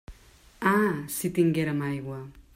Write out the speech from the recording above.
Ah, si tinguérem aigua!